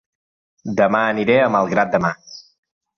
Dema aniré a Malgrat de Mar